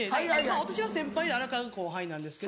私が先輩で荒川が後輩なんですけど。